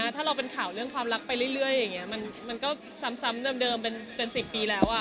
ถ้าเราเป็นข่าวเรื่องความรักไปเรื่อยอย่างนี้มันก็ซ้ำเดิมเป็น๑๐ปีแล้ว